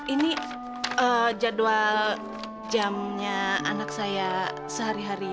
ini jadwal jamnya anak saya sehari hari